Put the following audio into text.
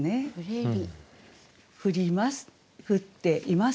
「降ります」